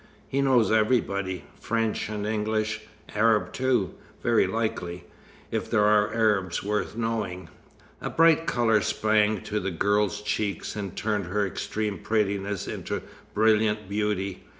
"He knows everybody, French and English Arab too, very likely, if there are Arabs worth knowing." A bright colour sprang to the girl's cheeks and turned her extreme prettiness into brilliant beauty.